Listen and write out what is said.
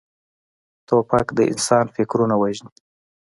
توپک د انسان فکرونه وژني.